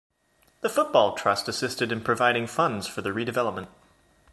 The Football Trust assisted in providing funds for the redevelopment.